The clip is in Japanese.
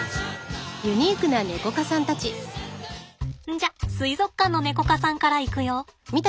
じゃ水族館のネコ科さんからいくよ。